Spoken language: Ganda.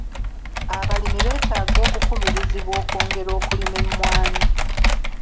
Abalimi beetaaga okukubirizibwa okwongera okulima emmwanyi.